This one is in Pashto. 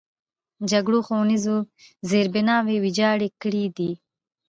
جګړو ښوونیز زیربناوې ویجاړې کړي دي.